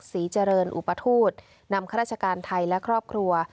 ศรีเจริญอุปทูตนำข้าราชการไทยและครอบครัว